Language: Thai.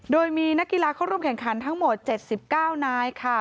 โดยมีนักกีฬาเข้าร่วมแข่งขันทั้งหมด๗๙นายค่ะ